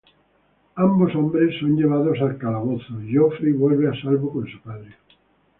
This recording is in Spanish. Ambos hombres son llevados al calabozo y Geoffrey vuelve a salvo con su padre.